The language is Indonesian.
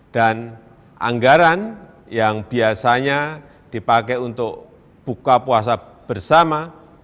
dan anggaran yang biasanya dipakai untuk buka puasa bersama